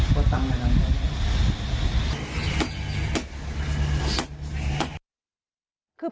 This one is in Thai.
โคตรตั้งขีดนานา